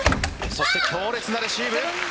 そして強烈なレシーブ。